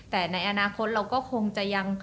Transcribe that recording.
แต่ในอนาคตเราก็คงจะยัง